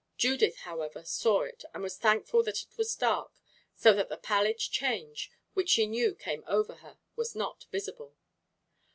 Judith, however, saw it, and was thankful that it was dark, so that the pallid change, which she knew came over her, was not visible.